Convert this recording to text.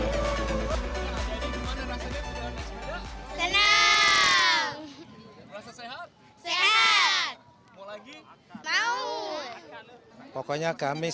jadi gimana rasanya berhubungan dengan sepeda